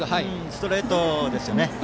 ストレートですね。